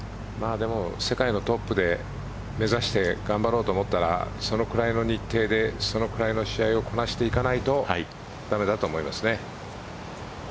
でも世界のトップで目指して頑張ろうと思ったらそのくらいの日程でそのくらいの試合をこなしていかないと駄目だと思いますね。